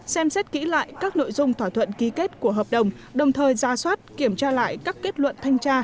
xem xét kỹ lại các nội dung thỏa thuận ký kết của hợp đồng đồng thời ra soát kiểm tra lại các kết luận thanh tra